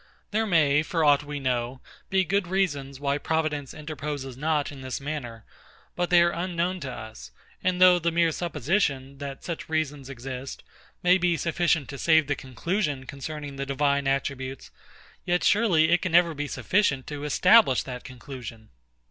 There may, for aught we know, be good reasons why Providence interposes not in this manner; but they are unknown to us; and though the mere supposition, that such reasons exist, may be sufficient to save the conclusion concerning the Divine attributes, yet surely it can never be sufficient to establish that conclusion.